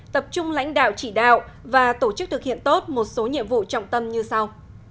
tập trung lãnh đạo chỉ đạo và tổ chức thực hiện tốt một số nhiệm vụ trọng tâm như sau